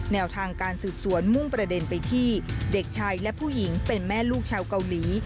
แนวทางการสืบสวนมุ่งประเด็นไปที่เด็กชายและผู้หญิงเป็นแม่ลูกชาวเกาหลี